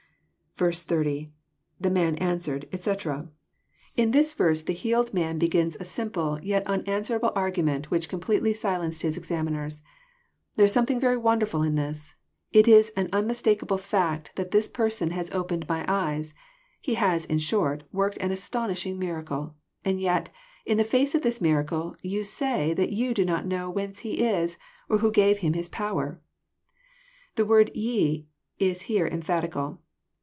80. — [The man answered^ e^c] In this verse the healed man be* f JOHN, CHAP. IX. 165 gins a simple, yet ananswerab];£_aTgument, which completely silenced his examiners. <* There is something^ very wonderflil / in this. It is an unmistakable fact that this Person has opened [ my eyes. He has, in short, worked an astonishing miracle; i and yet, in the face of this miracle, yon say that you do not know whence He is, or who gave Him his power.' » The word " ye *' is here cmphatical.